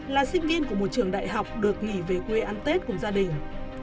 là sinh viên của một trường đại học được nghỉ về quê ăn tết cùng gia đình